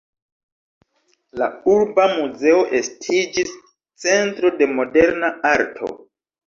La Urba muzeo estiĝis centro de moderna arto.